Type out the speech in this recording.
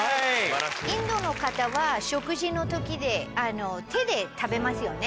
インドの方は食事の時手で食べますよね。